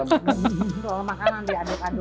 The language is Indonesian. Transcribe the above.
soal makanan diaduk aduk